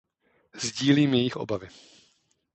Sdílím jejich obavy.